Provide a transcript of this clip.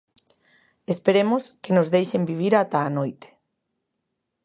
Esperemos que nos deixen vivir ata a noite.